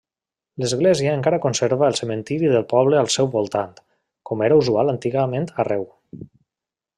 L'església encara conserva el cementiri del poble al seu voltant, com era usual antigament arreu.